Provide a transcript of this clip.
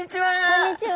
こんにちは！